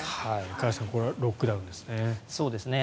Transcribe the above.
加谷さんこれはロックダウンですね。